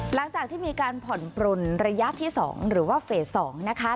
หลังจากที่มีการผ่อนปลนระยะที่๒หรือว่าเฟส๒นะคะ